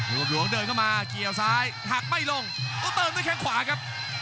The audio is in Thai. รวมหลวงเดินเข้ามาเกี่ยวซ้ายหักไม่ลงเติมด้วยแข้งขวาครับ